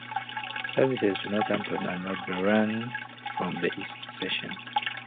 Services to Northampton and Rugby ran from the East station.